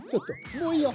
もういいよ。